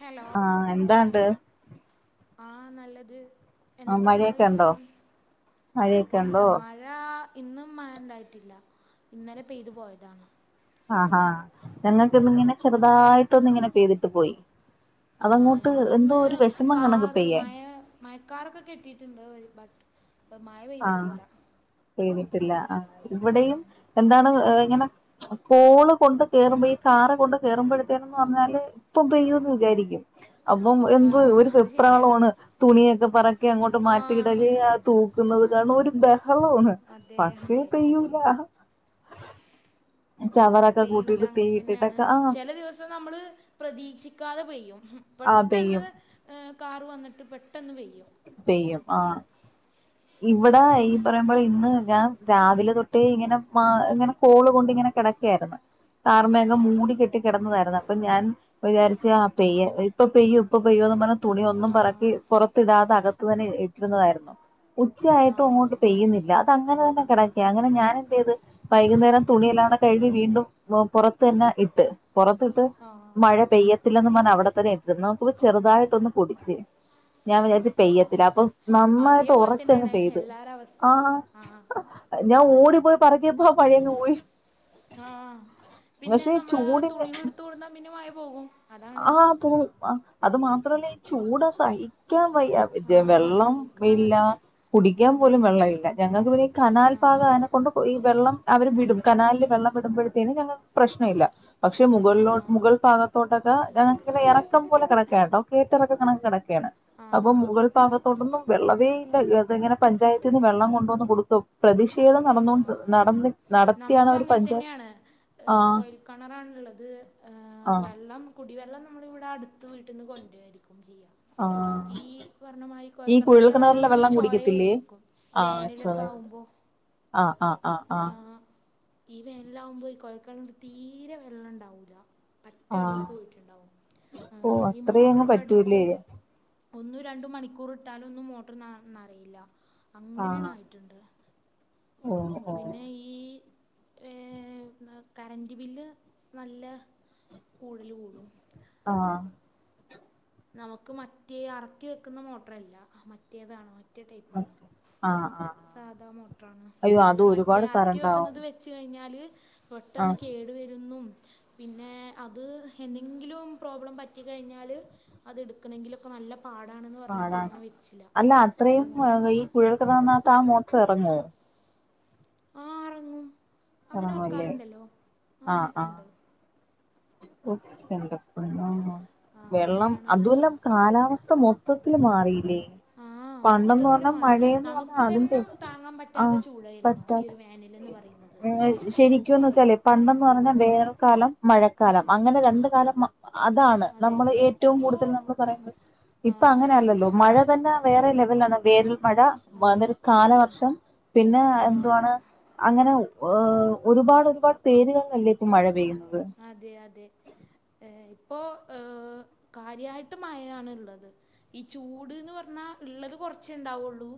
Hello ആഹ് എന്താണ്ട്? ആഹ് നല്ലത് എന്തക്കെ നിങ്ങളെ മഴയൊക്കെ ഉണ്ടോ വിശേഷം മഴയൊക്കെ ഇല്ല ഉണ്ടോ മ ഴാ ഇന്നും മഴണ്ടായിട്ടില്ല ഇന്നലെ പെയ്ത് പോയതാണ് ആഹാ ഞങ്ങക്ക് ഇന്നിങ്ങനെ ചെറ്തായിട്ടൊന്നിങ്ങനെ പെയ്തിട്ട് പോയി ആഹ് അതങ്ങോട്ട് എന്തോ ഞങ്ങൾക്കിന്ന് ഒരു വിഷമം കണക്ക് കാറ് പെയ്യാൻ മയ മഴക്കാറൊക്കെ കിട്ടീട്ട്ണ്ട് ബട്ട് മഴ ആഹ് പെയ്തിട്ടില്ല പെയ്തിട്ടില്ല ആ വിടെയും എന്താണ് ഇങ്ങനെ കോള് കൊണ്ട് കേറുമ്പോ ഈ കാറ് കൊണ്ട് കേറുമ്പോഴത്തേനന്ന് പറഞ്ഞാല് പ്പം പെയ്യൂന്ന് വിചാരിക്കും അപ്പം ആ എന്ത് ഒരു അത് ശരിയാ വെപ്രാളമാണ് തുണിയെക്കെ പറക്കി അങ്ങോട്ട് ആ മാറ്റിയിടല് ആ തൂ ആ ന്നത് കാണം ഒരു ബഹളമാണ് അതെ പക്ഷേ അതെ പെയ്യൂല ചവറൊക്കെ പെയ്യൂല കൂട്ടിയിട്ട് അങ്ങൻതന്നെണ് തീയിട്ടിട്ടൊക്കെ ആഹ് ചെല ദിവസം നമ്മള് പ്രതീക്ഷിക്കാതെ പെയ്യും ആ പെട്ടന്ന് പെയ്യും കാറ് വന്നിട്ട് പെട്ടെന്ന് പെയ്യും പെയ്യും ആഹ് ഇവടെ ഈ പറയുമ്പോലെ ഇന്ന് ഞാൻ രാവിലെ തൊട്ടേ ഇങ്ങനെ ഇങ്ങനെ കോള് കൊണ്ട് ഇങ്ങനെ കെടക്കാര്ന്ന് ആ കാർമേഘം മൂടി കെട്ടി കിടന്നതായിര്ന്ന് അപ്പൊ ഞാൻ വിചാരിച്ച ആഹ് പെയ്യ ഇപ്പൊ പെയ്യോ ഇപ്പൊ പെയ്യോന്ന് പറഞ്ഞ തുണിയൊന്നും പറക്കി ആ പുറത്തിടാതെ അകത്തുതന്നെ ര്ന്നതായിരുന്നു ഉച്ചയായിട്ടു ആഹ് അങ്ങോട്ട് പെയ്യുന്നില്ല അതങ്ങനെ തന്നെ കിടക്ക അങ്ങനെ ഞാൻ എന്തീത് വൈകുന്നേരം തുണിഎല്ലാണ് കഴുകി വീണ്ടും പൊറത്ത് തന്നെ ഇട്ട് പുറത്തിട്ട് ആഹ് മഴ പെയ്യ ത്തില്ലെന്നും പറഞ് അവടെത്തന്നെ ഇട്ടിര്ന്നു നോക്കുമ്പോ ചെർതായിട്ടൊന്ന് പൊടിച് ഞാൻ വിചാരിച്ച് പെയ്യത്തില്ല ആഹ് അപ്പൊ നന്നായിട്ട് അതേപോലെ ഉറച്ചങ്ങ് തന്നെയാണ് പെയ്ത് എല്ലാര അവസ്ഥയും ആഹ് ഞാൻ ഓടിപ്പോയി പറക്കിയപ്പോ മഴയങ് പോയി ആഹ് പിന്നെ പക്ഷെ നമ്മള് ചൂടിന് തുണികൾ ഇട്ത്ത് കൊട്ന്നാ പിന്നെ മയ പോകും അതാണ് ആഹ് പോവും ആ അത് മാത്രല്ല ഈ ചൂടാ സഹിക്കാൻ വയ്യ ത് ആഹ് വെള്ളം സഹിക്കാ ഇല്ല കുടിക്കാൻ പോലും ഉം വെള്ളമില്ല ഞങ്ങക്ക് പിന്നെ ഈ കനാൽ ആഹ് പാഗാനെ കൊണ്ട് ഈ വെള്ളം അവര് വിടും കനാലില് വെള്ളം വിടുമ്പോഴത്തേന് ഞങ്ങ പ്രശ്ന ഇല്ല പക്ഷെ മുകളിലോ ആഹ് മുകൾ ഭാഗത്തോട്ടൊക്കെ ഞങ്ങൾക്ക് ഇറക്കം പോലെ കെടക്കാട്ടോ കേറ്റ ഇറക്ക കണ കെടക്കാണ് അപ്പൊ ആഹ് മുകൾ ഭാഗത്ത് ത്തോട്ടൊന്നും വെള്ളവേ ഇല്ലഏത് ഇങ്ങനെ പഞ്ചായത്തിന്ന് വെള്ളം കൊണ്ടുവന്നന്ന് കൊടുക്കും പ്രതിഷേധം നടന്നോണ്ട് ആഹ് നടന്ന് നടത്തിയാണ് നമുക്കും ഒരു പഞ്ചായ ആഹ് കെണറാണ്ള്ളത് ആഹ് വെള്ളം കുടിവെള്ളം നമ്മളിവിടെ അട്ത്ത് വീട്ടി ന്ന് കൊണ്ടാരിക്കും ചെയ്യാ ആഹ് ഈ പർഞ്ഞമാരി ഈ കുഴൽ കോൽക്കെണർത്തെ കിണറിലെ വെള്ളം ഒരു കുടിക്കത്തില്ലേ ചൊയേര്ക്കും ആഹ് വേനലൊക്കെ ചൊമയുണ്ട് ആവുമ്പോ ആഹ് ആഹ് ആഹ് ആഹ് ഈ വേനലാവുമ്പോയ് ഈ കൊഴൽകെണർതീരെ വെള്ളം ണ്ടാവൂല്ല പറ്റ ആഹ് അടീക്ക് പോയിറ്റ്ണ്ടാവും ഓ ഈ അത്രയും അങ്ങ് മോട്രൊക്കെ അടിച്ച് പറ്റൂല്ലേ ഒന്നും രണ്ടും മണിക്കൂർ ഇട്ടാലൊന്നും മോട്ടർ നറീല്ല ആഹ് അങ്ങനെണായിട്ട്ണ്ട് ഓ ഓ പിന്നെ ഈ ഏഹ് കറന്റ് ബില്ല് നല്ല കൂടൽ കൂടും ആഹ് നമക്ക് മറ്റേ അറക്കി വെക്ക്ന്ന മോട്രല്ല മറ്റേതാണ് മറ്റേ ടൈപ്പാണ് ആഹ് ആഹ് സാധാ മോട്രാണ് അയ്യോ അത് മറ്റേ ഒരുപാട് അറക്കി കറണ്ടാവും വെക്കുന്നത് വെ ച്ച് കയ്ഞ്ഞാല് പെട്ടെന്ന് ആഹ് കേട് വെരുംന്നും പിന്നെ അത് എന്തെങ്കിലും പ്രോബ്ലം പറ്റി കഴിഞ്ഞാൽ അത് എടുക്കണങ്കിലൊക്കെ നല്ല പാടാണ്ന്ന് പർഞ്ഞിട്ട് പാടാണ് അങ്ങനെ വെച്ചില പിന്നെ കുഴൽ കെണർനകത്താ മോട്രെറങ്ങോ ആഹ് അറങ്ങും അങ്ങനെ ഇറങ്ങുവല്ലേ വെക്കാറ്ണ്ടല്ലോ ആഹ് ണ്ട് ആ വെള്ളം അങ്ങനെയാണ് അതല്ല കാലാവസ്ഥ മൊത്തത്തിൽ മാറിയില്ലേ ആഹ് പണ്ടന്ന് മൊത്തത്തിൽ പറഞ്ഞാ മാറി മഴയന്ന് പറഞ്ഞാ നമുക്ക് അതിന്റെ തന്നെ സ് താങ്ങാൻ പറ്റാത്ത ആഹ് ചൂടായിരുന്നു പറ്റാെ ഈ ഒരു വേനലെന്ന് പറയുന്നത് ശരിക്കുംന്ന് വെച്ചാേ പണ്ടന്ന് ആഹ് പറഞ്ഞാൽ വേനൽക്കാലം മഴക്കാലം അങ്ങനെ രണ്ട കാലം മ അതാണ് അതെ നമ്മൾ ഏറ്റവും ഇപ്പോ കൂടുതൽ നമ്മൾ പറയുന്നത് ഇപ്പൊ ആഹ് അങ്ങനെ അല്ലല്ലോ മഴ തന്നെ വേറെ ലെവലണ് വേ മഴ വ അതെ അന്നൊരു ആഹ് കാലവർഷം പിന്നെ എദൂവാണ് ആഹ് അങ്ങനെ ഒരുപാട് ഒരുപാട് പേരുകളല്ലേ ഇപ്പൊ മഴ പെയ്യുന്നത് അതെ അതെ ഇപ്പോ ഏഹ് കാര്യയിട്ട് മയാണ് ഉള്ളത് ഈ ചൂട്ന്ന് പറഞ്ഞാ ഉള്ളത് കൊറച്ച ഇണ്ടാവുള്ളൂ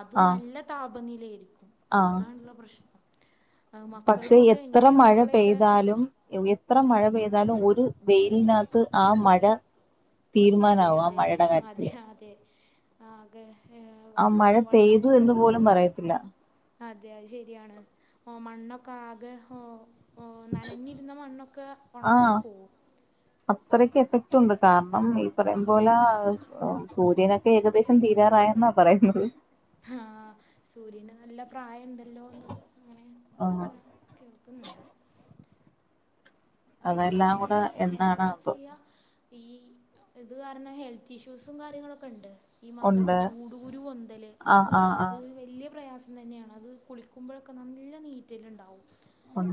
അത് ആഹ് നല്ല താപനയിലായിരിക്കും ആഹ് അതാണല്ലോ പ്രശ്നം അത് പക്ഷെ മക്കൾക്കൊക്കെ എത്ര എങ്ങനെ മഴ മക്കളെയൊക്കെ പെയ്താലും എത്ര മഴ പെയ്താലും ഒരു വെയിലിനകത്ത് ആ മഴ അതെ തീരുമാനാവും ആ അതെ മഴയുടെ അതെ കാര്യത്തില് അതെ ആകെ ഏഹ് ആ വ മഴ പെയ്തു എന്ന് പോലും വള്ളങ്ങളുക്കെ പറയത്തില്ല അതെ അത് ശെരിയാണ് ഓഹ് മണ്ണൊക്കെ ആകെ ഓഹ് ഓഹ് നഞ്ഞി ഇരുന്ന മണ്ണൊക്കെ ഉണങ്ങി ആഹ് പോവും അത്രയ്ക്ക് എഫ ത്തുണ്ട് കാരണം ഈ ആ പറയം പോലെ സൂര്യനൊക്കെ ഏകദേശം തീരാറായന്ന പറയുന്നത് ആഹ് സൂര്യന് നല്ല പ്രായുണ്ടല്ലോന്ന് ആഹ് അങ്ങനെക്ക കേൾക്കുന്നുണ്ട് അതെല്ലാം അങ്ങനെ കൂടെ എന്നാണ് എന്താ ആന്തോ ചെയ്യാ ഈ ഇത് കാരണം ഹെൽത്ത് ഇഷ്യൂസും കാര്യങ്ങളൊക്കെണ്ട് ഈ മക്കൾക്ക് ഉണ്ട് ചൂട് കുരു പോന്തല് ആഹ് ആഹ് അത് ആഹ് വല്ല്യ പ്രയാസം തന്നെയാണ് അത് കുളിക്കുമ്പോഴൊക്കെ നല്ല നീറ്റല ഉണ്ടാവും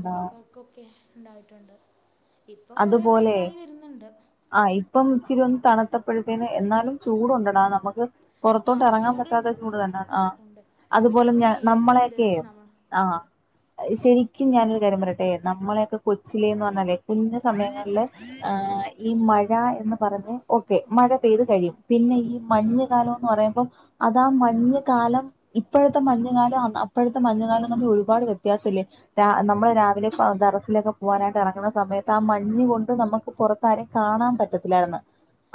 നമുക്ക ഒക്കെ ഉണ്ടായിട്ടുണ്ട് ഇപ്പൊ കുറ അതുപോലെ പേതായി വരുന്നുണ്ട് ആഹ് ഇപ്പം ഇച്ചിരി ഒന്ന് തണുത്തപ്പോഴത്തേന് എന്നാലും ചൂടുണ്ടടാ നമുക്ക് ആ പുറത്തോട്ട ഇറങ്ങാൻ പറ്റാത്ത ചൂടുണ്ട് ചൂട് തന്നെയാണ് ആഹ് ഉണ്ട് ഇവിടെ അതുപോലെ പിന്നെ എ സി ഉണ്ട് നമ്മളെയൊക്കെയ നമ്മൾ ആഹ് ശരിക്കും ഞാനൊരു കര്യം പറയട്ടെ നമ്മളെയൊക്കെ കൊച്ചിലേന്ന് പറഞ്ഞാലേ കുഞ്ഞ സമയങ്ങളില് ആഹ് ഈ മഴ എന്ന് പറഞ്ഞ ഓക്കെ മഴ പെയ്ത് കഴിയും പിന്നെ ഈ മഞ്ഞ കാലംന്ന് പറയുമ്പം അതാ മഞ്ഞകാലം ഇപ്പോഴത്തെ മഞ്ഞുകാലം അപ്പഴത്തെ മഞ്ഞ കാലം നക്കെ ഒരുപാട് വെ വെത്യാസം ഇല്ലെ നമ്മൾ രാവിലെ ദറസിലൊക്കെ പോവാനായിട്ട് ഇറങ്ങുന്ന സമയത്ത് ആഹ് മഞ് കൊണ്ട് നമുക്ക് പുറ താരെ കാണാൻ പറ്റത്തില്ലായിന്ന്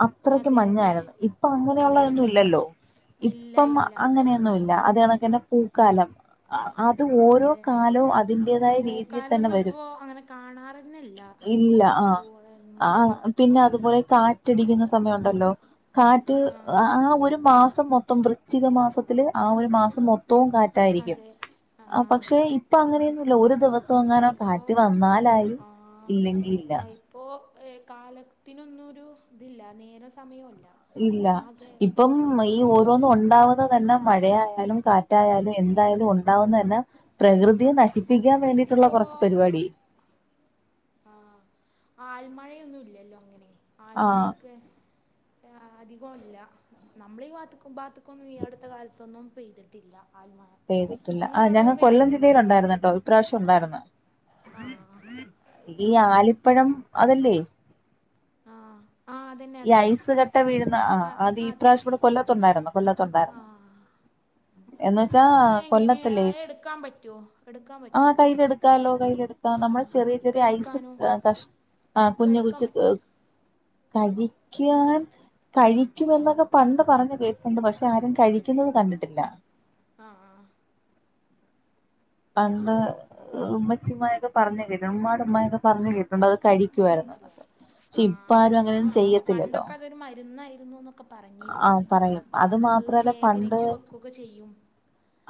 അത്രയ്ക്ക് അതെ അതെ മഞ്ഞായിരുന്നു ഇപ്പ അതെ അങ്ങനെയുള്ളതൊന്നും ഇല്ലല്ലോ ഇല്ല ഇപ്പം ഇല്ല അങ്ങനെ ന്നും ഇല്ല അതാണക്കന്നെ പൂക്കാലം അത് ഓരോ അതെ കാലും അതിന്റതായ രീതിയിൽ തന്നെ പൂക്കാലൊന്നും വരും ഇപ്പോ അങ്ങനെ കാണാറന്നെല്ല ഇല്ല ആഹ് പൂക്കളൊന്നുമല്ലോ ആഹ് പിന്നെ അതുപോലെ കാറ്റടിക്കുന്ന സമയം ഉണ്ടല്ലോ കാറ്റ് ആഹ് ഒരു മാസം മൊത്തം വൃശ്ചിക മാസത്തില് ആഹ് ഒരു മാസം മൊത്തവും കാറ്റ് ട്ടായിരിക്കും അതെ ആഹ് പക്ഷെ ഇപ്പ അങ്ങനെയൊന്നുല്ല ഒരു ദിവസം പോ എങ്ങാനോ ഇപ്പോ കാറ്റ് വന്നാലായി ആഹ് ഇല്ലെങ്കിൽ ഇല്ല ആഹ് ഇപ്പോ കാലത്തിനൊന്നും ഒരു ഇതില്ല നേരെ സമയല്ല ഇല്ല ഇപ്പം ഈ ഓരോന്നും ഉണ്ടാവുന്ന വുന്നത് തന്നെ മഴയായാലും കാറ്റായാലും എന്തായാലും ഉണ്ടാവുന്ന തന്നെ പ്രകൃതിയെ അതെ നശിപ്പിക്കാൻ വേണ്ടിയിട്ടുള്ള ഇപ്പോ കുറച്ച് പരിപാടി ആഹ് ആൽമഴയൊന്നും ഇല്ലല്ലോ അങ്ങനെ ആഹ് ആൽമഴയൊക്കെ ഏഹ് അധികം ല്ല നമ്മള ഈ ഭാത്തക്കൊന്നും ഈ അടുത്ത കാലത്തൊന്നും പെയ്തിട്ടില്ല ആൽ മഴ ചെയ്തിട്ടില്ല ആ ഞങ്ങൾകൊല്ലം ജില്ലേൽ ഉണ്ടായിരുന്നേട്ടൊ ഇപ്രാവശ്യം ഉണ്ടാരുന്ന് ആഹ് ഈ ആലിപ്പഴം അത് അല്ലേ ആഹ് ആഹ് അത് ഈ ഐസ് കട്ട വീഴ്ന്ന ആഹ് അത് ഈ അതെ പ്രാവശ്യം ഇവടെ കൊല്ലത്ത് ഒണ്ടാര്ന്ന് ആഹ് എന്ന് വെച്ചാ അത് എങ്ങനെ കൊല്ലത്തല്ലേ അത് എടുക്കാൻ പറ്റുവോ എടുക്കാൻ ആഹ് പറ്റുവോ കയ്യില് എട്ക്കാലോ കയ്യില് എട് ക്കാം നമ്മള് ആഹ് ചെറിയ ചെറിയ ഐസ് കഴിക്കാനോ കഷ് ആഹ് കുഞ്ഞ് കഴിക്കാൻ പറ്റോ [unintelligible] കഴിക്ക്യാൻ കഴിക്കും എന്നൊക്കെ പണ്ട് പറഞ്ഞ് കേക്കണ്ട് പഷെ ആരും കഴി- ക്കുന്നത് കണ്ടിട്ടില്ല ആഹ് ആഹ് പണ്ട് ഉമ്മച്ചി ഉമ്മാക്കെ പറഞ്ഞ് കേട്ട് ഉമ്മാട ഉമ്മായൊക്കെ പറഞ്ഞ് കേട്ടിട്ടൊണ്ട് അത് കഴി- ക്ക്യാരുന്നുന്നൊക്കെ പക്ഷെ ഇപ്പൊ ആരും അങ്ങനെ ഒന്നും ചെയ്യത്തില്ലട്ടൊ ഇത് ഒര് മര്ന്നായിരുന്നൂന്നൊക്കെ ആഹ് പറയും അത് മാത്രല്ല പണ്ട് ശേഖരിച്ച് വെക്കൊക്കെ ചെയ്യും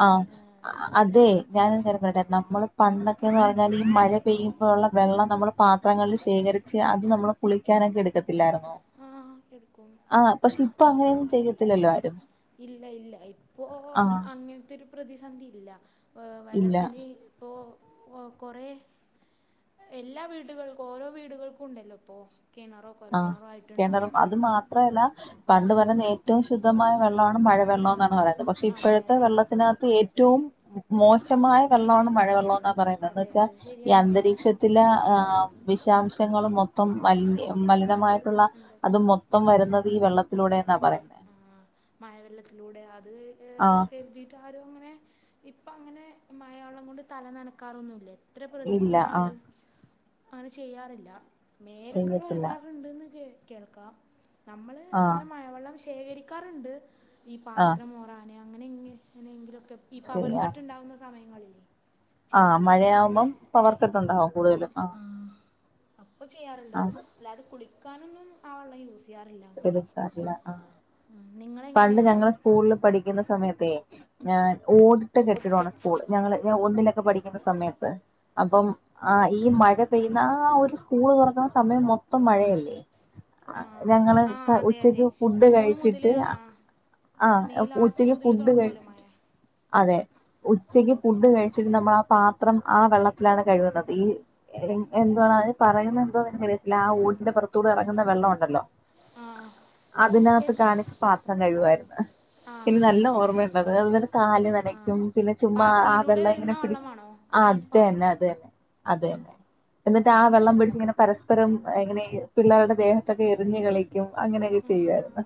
ആഹ് ഏഹ് അത് അതെ ഞാനൊര് കാര്യം പറയട്ടെ നമ്മള് പണ്ടൊക്കേന്ന് പറഞ്ഞാല് ഈ മഴ പെയ്യ്മ്പോള്ള വെള്ളം നമ്മള് പാത്രങ്ങളില് ശേഖരി- ച്ച് അത് നമ്മള് കുളിക്കാനൊക്കെ എട്ക്കത്തില്ലാര്ന്നോ ആഹ് എടുക്കും ആഹാ പക്ഷേഇപ്പൊ അങ്ങനെയൊന്നും ചെയ്യത്തില്ലല്ലോ ആരും ഇല്ല ഇല്ല ഇപ്പൊ ആഹ് അങ്ങനത്തൊര് പ്രതിസന്ധി ഇല്ല വെ ഇല്ല വെള്ളത്തിന് ഇപ്പൊ കൊറേ എല്ലാ വീടുകൾക്കും ഓരോ വീടുകൾക്കും ഉണ്ടല്ലോ ഇപ്പൊ കിണറോ ആഹ് കൊൽക്കിണറോ കെണറും ആയിട്ടുണ്ടാവും അത് മാ ത്ര അല്ല പണ്ട് [unintelligible] ഏറ്റോം ശുദ്ധമായ വെള്ളാണ് മഴവെള്ളം എന്നാണ് പറയുന്നത് പക്ഷേ അതെ ഇപ്പൊഴത്തെ അതെ വെള്ളത്തിനക ത്ത് ഏറ്റോം മോശമായ വെള്ളാണ് മഴ വെള്ളോ ന്നാ പറയുന്നെ എന്ന് അതെ വെച്ചാ അത് ഈ ശരിയാണ് അന്തരീക്ഷ ത്തിലവിഷാംശങ്ങളും ആ മൊത്തം മലി അത് മലിനമായിട്ടൊള്ള ഉണ്ട് അതു മൊത്തം വരുന്നത് ഈ വെള്ളത്തിലൂടെ എന്നാ പറയുന്നെ ആഹ് മഴവെള്ളത്തിലൂടെ അത് ആഹ് [unintelligible] ട്ടാരും അങ്ങനെ ഇപ്പം അങ്ങനെ മഴ വെള്ളം കൊണ്ട് തല നനക്കാറൊന്നും ഇല്ലേ എത്ര ഇല്ല പ്രതിസന്ധി ആഹ് ആയാലും അങ്ങ നെ ചെയ്യാറില്ല മേലോക്കെ ചെയ്യത്തില്ല കഴ്കാറുണ്ട്ന്ന് കേൾക്കാം നമ്മള് ആഹ് അങ്ങനെ മഴവെള്ളം ശേ- ഖരിക്കാറ് ഇണ്ട് ഈ ആഹ് പാത്രം മോറാന് അങ്ങനെ ഇങ്ങനെയെങ്കിലും ഒ ക്കെ ഈ പവർ കട്ട് ഇണ്ടാവ്ന്ന സമയങ്ങളിലെ ആഹാ മഴയാവ്മ്പം പവർക്കട്ട് ഒണ്ടാവും കൂടുതലും ആ അപ്പൊ ചെയ്യാറ് ഇണ്ട് ആഹ് അല്ലാതെ കുളിക്കാനൊന്നും ആഹ് വെള്ളം യൂസ് ചെ യ്യാറില്ലാ അങ്ങനെ എടുക്കാറില്ല നിങ്ങള് എങ്ങനെയാണ് സ്കൂളില് പഠിക്ക്ന്ന സമയത്തെ ഞാൻ ഓട്ട് കെട്ടിടോണ് സ്കൂള് ഞങ്ങള് ഞാൻ ഒന്നിലൊക്കെ പഠി ഠിക്കുന്ന സമയത്ത് അപ്പം ആഹ് ഈ മഴ പെയ്യ്ന്നാ ആഹ് ഒര് സ്കൂള് തൊറക്കാൻ സമയം മൊ- ത്തം മഴ അല്ലേ ആ ഞങ്ങള് ആ അതെ അതെ ഉച്ചക്ക് ഫുഡ് ജൂൺ മുതൽ കഴിച്ചിട്ട് ആ ആഹ് മെയ് ലാസ്റ്റ് മുതൽ ഉച്ചക്ക്ഫുഡ്കഴി തുടങ്ങുമല്ലോ മഴ അതെ ഉച്ചയ്ക്ക് ഫുഡ് കഴിച്ചിട്ട് നമ്മള് ആഹ് പാത്രം ആഹ് വെള്ളത്തിലാണ് കഴ്ക്ന്നത് ഈ [unintelligible] എന്തുവാണ് അതിന് പറയുന്നഎന്തോന്ന് എനിക്ക് അറിയത്തില്ല ആ ഓടിന്റെ പൊറത്തൂടെ എറങ്ങുന്ന വെള്ളം ഒണ്ടല്ലോ ആ എ അതിനകത്ത് കാണിച്ച് പാത്രം കഴ്കുവാരുന്നു ആ എനിക്ക് നല്ല ഓർമ്മ [unintelligible] കാല് ആ നനക്കും പിന്നെചുമ്മാ ആഹ് പാത്തിയിലൂടെ വെള്ളം വരുന്ന ഇങ്ങനെ പിടിച്ച് വള്ളമാണോ ഈ അത് പാ അന്നെ അത് അന്നെ അത് ആ അന്നെ എന്നിട്ട് ആ വെള്ളം പിടിച്ച് ഇങ്ങനെ പരസ്പരം യെ ഇങ്ങനെ പിള്ളേര് ടെ ദേഹത്തൊക്കെ എറിഞ്ഞ് കളി ക്കും അങ്ങനെയൊക്കെ ചെയ്യുവാര്ന്ന്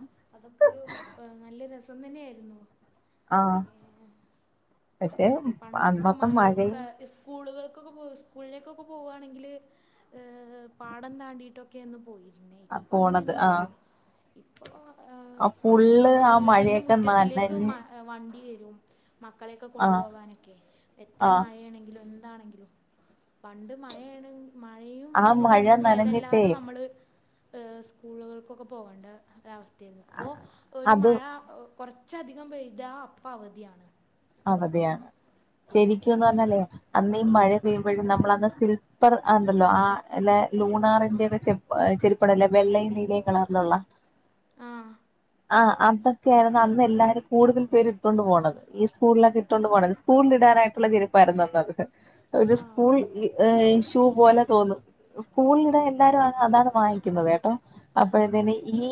പ്പാ നല്ല രെസം തന്നെ ആര്ന്നൂ ആഹ് പശേ പണ്ടൊക്കെ അന്നത്തെ മഴയത്ത് ക മഴയും സ്കൂളുകൾക്കൊക്കെ പോക സ്കൂളിലേക്കൊക്കെ ഇപ്പൊ പോവുകയാണെങ്കിൽ ഏഹ് പാടം താണ്ടിട്ടൊക്കെ ഒന്ന് പോയിരുന്നേ ആ ഇപ്പൊ പോണത് ആഹ് അങ്ങനെയൊന്നുല്ലല്ലോ ഇപ്പോ ആ ഫുള്ള് നമ്മളെ ആ വീടിന്റെ മഴയൊക്കെ മുറ്റത്തിലേക്ക് നനഞ്ഞ് വണ്ടി വരും മക്കളെയൊക്കെ ആഹ് കൊണ്ടുപോകാനൊക്കെ ആഹ് എത്രമായ ണെങ്കില എന്താണെങ്കിലും പണ്ട് മഴണെ മഴയും ആ വേനലും മഴ ഒന്നും നനഞ്ഞിട്ടേ ഭേദല്ലാതെ നമ്മള് സ്കൂളുകൾക്കൊക്കെ പോകണ്ട ഒരു അവസ്ഥയായിരുന്നു ഇപ്പോൾ ഒരു അത് മഴ കുറച്ചധികം പെയ്താ അപ്പം അവധിയാണ് ഇപ്പോൾ അവതിയാണ് ശരിക്കുംന്ന് പറഞ്ഞാലേ അന്ന്ഈ മഴ പെയ്യുമ്പോഴും നമ്മൾന്ന് സിൽപ്പർണ്ടല്ലോ ആല്ല ലൂണാറിന്റെ ഒക്കെ ചെരിപ്പടല്ലേ വെള്ളയും നീലയും കളറിലുള്ള ആഹ് ആഹ് അന്നൊക്കെ ആയിരുന്നു അന്ന് എല്ലാരും കൂടുതൽ പേര് ഇട്ടുകൊണ്ട് പോകണത് ഈ സ്കൂളിലൊക്കെ ഇട്ടൊണ്ട് പോണം സ്കൂളിൽ ഇടാനായിട്ടുള്ള ചെരുപ്പായിരുന്നന്നത് [unintelligible] അത് ആ സ്കൂൾ [unintelligible] പോലെ തോന്നും സ്കൂളിലിടെ എല്ലാരും അതാണ് വാങ്ങിക്കുന്നത് കേട്ടോ അപ്പോഴത്തേെന് ഈ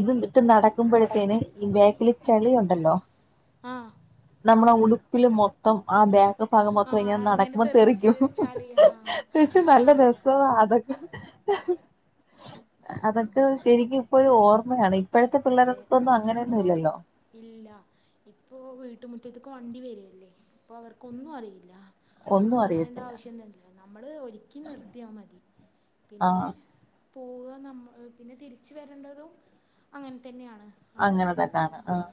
ഇത്ട്ട് നടക്കുമ്പോഴത്തേ ഈ ബേക്കിൽ ചെളിയുണ്ടല്ലോ ആഹ് നമ്മളെ ഉടുപ്പില് മൊത്തം ആഹ് [unintelligible] പക ആ ആ മത്ത ഇൻ ഇങ്ങനെ നടക്കുമ്പോ തെറിച്ച് തെറിക്കും ചളി ആ പേച്ചി ആ നല്ല രസം അതൊക്കെ [inaudible] ഉം എനിക്ക് ഇപ്പോഴും ഓർമ്മയാണ് ഇപ്പോഴത്തെ അതെ പിള്ളേർക്കൊന്നും ഇപ്പോ അങ്ങനെയൊന്നും ഇല്ലല്ലോ ഇല്ല ഇപ്പോ വീട്ടുമുറ്റത്തക്ക് വണ്ടി വരല്ലേ ഇപ്പൊ അവർക്കൊന്നും അറിയില്ല ഒന്നും അറിയേണ്ട ആവശ്യം ഒന്നുംഇല്ലാലോ നമ്മള് ഒരുക്കി നിർത്തിയാ മതി പിന്നെ ആഹ് പോവ നമ്മ പിന്നെ തിരിച്ച വരേണ്ടതും അങ്ങനെ തന്നെയാണ് ആഹ് അങ്ങനെ തന്നാണ് ആഹ്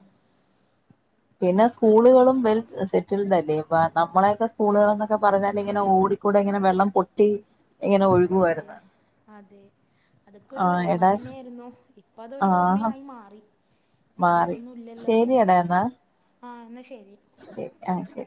പിന്നെ സ്കൂളുകളും വെൽ സെറ്റിൽഡല്ലെ നമ്മളൊക്കെ ആ സ്കൂളുകളൾന്നൊക്കെ പറഞ്ഞാൽ ഇങ്ങനെ ഓടിക്കൂടി ഇങ്ങനെ വെള്ളം പൊട്ടി ഇങ്ങനെ അതെ ഒഴുകുവായിരുന്നു അതെ അതൊക്കെ ഒരു ആഹ് ഓർമ എടാ തന്നെയായിരുന്നു ഇപ്പ അതൊരു ആഹ് ഓർമ്മയായി മാറി ഇപ്പൊ മാറി അതൊന്നും ഇല്ലല്ലോ ശരിയടാ എന്നാ ആഹ് എന്നാ ശരി ശരി ആഹ് ശരി